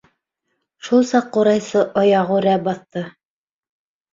Шул саҡ ҡурайсы аяғүрә баҫты.